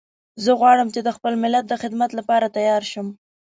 زه غواړم چې د خپل ملت د خدمت لپاره تیار شم